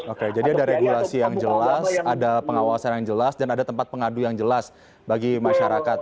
oke jadi ada regulasi yang jelas ada pengawasan yang jelas dan ada tempat pengadu yang jelas bagi masyarakat